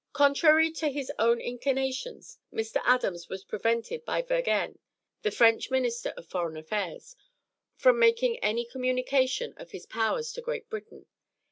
Contrary to his own inclinations, Mr. Adams was prevented by Vergennes, the French minister of foreign affairs, from making any communication of his powers to Great Britain.